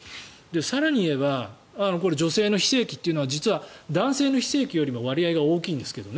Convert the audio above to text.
更に言えば女性の非正規というのは実は、男性の非正規よりも割合が大きいんですけどね